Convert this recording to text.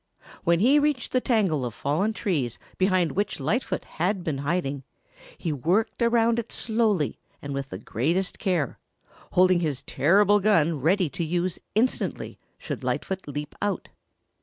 When he reached the tangle of fallen trees behind which Lightfoot had been hiding, he worked around it slowly and with the greatest care, holding his terrible gun ready to use instantly should Lightfoot leap out.